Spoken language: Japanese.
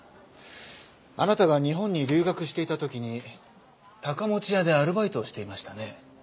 あなたが日本に留学していた時に高持屋でアルバイトをしていましたね？